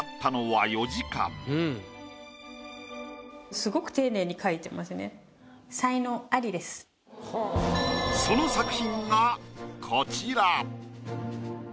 すごいその作品がこちら。